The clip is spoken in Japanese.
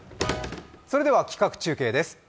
それでは企画中継です。